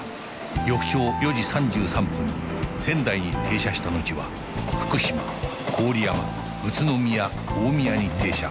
翌朝４時３３分に仙台に停車したのちは福島郡山宇都宮大宮に停車